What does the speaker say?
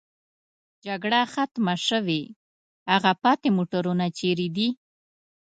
جګړه ختمه شوې، هغه پاتې موټرونه چېرې دي؟